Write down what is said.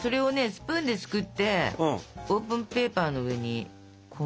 スプーンですくってオーブンペーパーの上にこんもり。